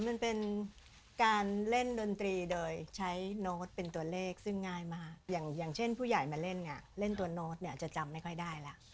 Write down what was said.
มันเป็นการเล่นดนตรีโดยใช้โน้ตเป็นตัวเลขซึ่งง่ายมากอย่างเช่นผู้ใหญ่มาเล่นเนี่ยเล่นตัวโน้ตเนี่ยจะจำไม่ค่อยได้แล้ว